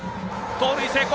盗塁成功！